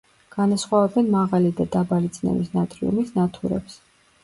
განასხვავებენ მაღალი და დაბალი წნევის ნატრიუმის ნათურებს.